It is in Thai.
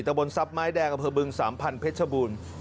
แต่บนทรัพย์ไม้แดงกระเผอบึงสามพันเพชรบูรณ์